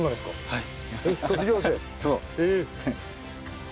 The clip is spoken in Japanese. はい。